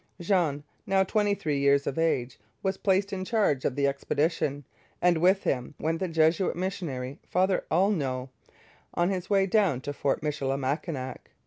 Jean, now twenty three years of age, was placed in charge of the expedition, and with him went the Jesuit missionary, Father Aulneau, on his way down to Fort Michilimackinac.